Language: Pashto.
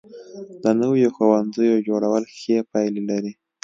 د نویو ښوونځیو جوړول ښې پایلې لري.